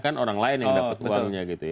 kan orang lain yang dapat uangnya gitu ya